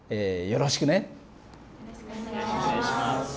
よろしくお願いします。